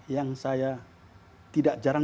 yang saya tidak jarang